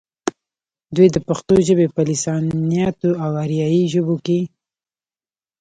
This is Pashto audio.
دوي د پښتو ژبې پۀ لسانياتو او اريائي ژبو کښې